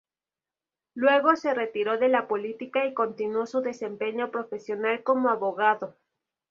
Luego se retiró de la política y continuó su desempeño profesional como abogado.